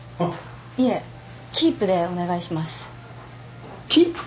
いえキープでお願いしますキープ？